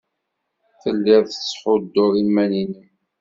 Telliḍ tettḥudduḍ iman-nnem.